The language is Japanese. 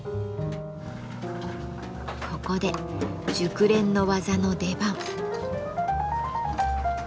ここで熟練の技の出番。